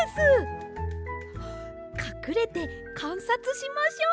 かくれてかんさつしましょう。